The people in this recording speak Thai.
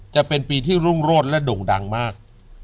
จะเป็นปีที่รุ่งโรดและโด่งดังมาก